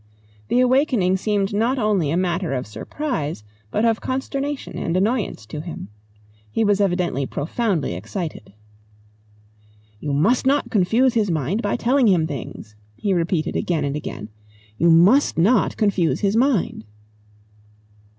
The awakening seemed not only a matter of surprise but of consternation and annoyance to him. He was evidently profoundly excited. "You must not confuse his mind by telling him things," he repeated again and again. "You must not confuse his mind."